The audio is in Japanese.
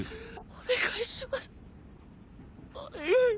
お願いします。